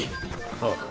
ああ。